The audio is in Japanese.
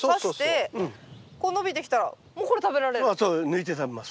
抜いて食べます。